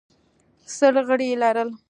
سل غړي یې لرل